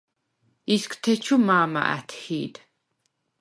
ისგთეჩუ მა̄მა ა̈თჰი̄დ.